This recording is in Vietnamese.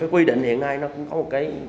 quy định hiện nay nó cũng có một cái